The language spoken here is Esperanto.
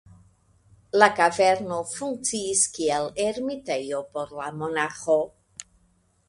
La kaverno funkciis kiel ermitejo por la monaĥo.